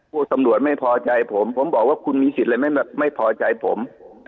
พวกตำรวจไม่พอใจผมผมบอกว่าคุณมีสิทธิ์อะไรไม่พอใจผม